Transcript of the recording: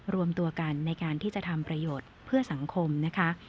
รวมตัวกันในการที่จะทำประโยชน์เพื่อสังคมนะคะ